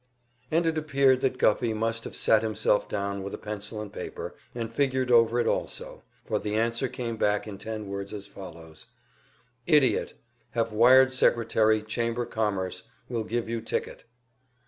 And it appeared that Guffey must have sat himself down with a pencil and paper and figured over it also, for the answer came back in ten words, as follows: "Idiot have wired secretary chamber commerce will give you ticket."